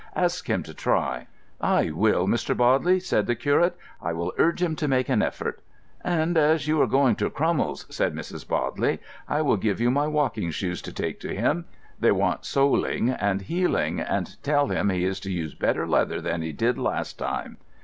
Ask him to try." "I will, Mr. Bodley," said the curate. "I will urge him to make an effort." "And as you are going to Crummell's," said Mrs. Bodley, "I will give you my walking shoes to take to him. They want soling and heeling, and tell him he is to use better leather than he did last time."